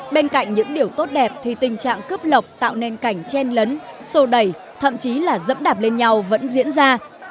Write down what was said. bên cạnh những điều tốt đẹp thì tình trạng cướp lọc tạo nên cảnh chen lấn sô đẩy thậm chí là dẫm đạp lên nhau vẫn diễn ra